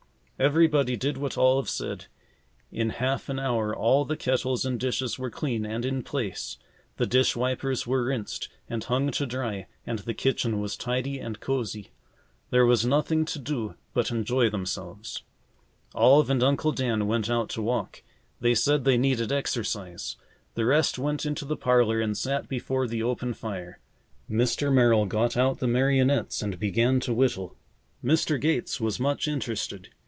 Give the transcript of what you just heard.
Everybody did what Olive said. In half an hour all the kettles and dishes were clean and in place. The dish wipers were rinsed and hung to dry and the kitchen was tidy and cosy. There was nothing to do but enjoy themselves. Olive and Uncle Dan went out to walk. They said they needed exercise. The rest went into the parlor and sat before the open fire. Mr. Merrill got out the marionettes and began to whittle. Mr. Gates was much interested.